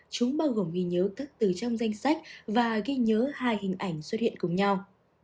chúng bao gồm ghi nhớ các từ trong danh sách và ghi nhớ hai hình ảnh xuất hiện cùng nhau